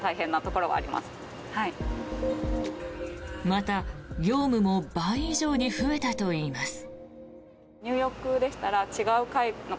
また、業務も倍以上に増えたといいます。